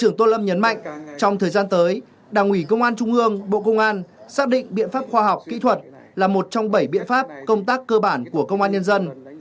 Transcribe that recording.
đó là một trong bảy biện pháp công tác cơ bản của công an nhân dân